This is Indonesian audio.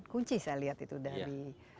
kunci saya lihat itu dari